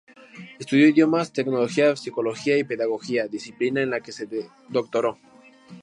Estudió idiomas, teología, psicología y pedagogía, disciplina en la que se doctoró.